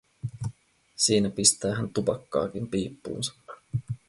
Siinä pistää hän tupakkaakin piippuunsa.